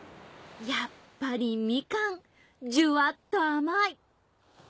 やっぱりみかんじゅわっとあまい。